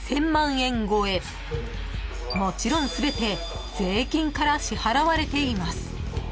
［もちろん全て税金から支払われています］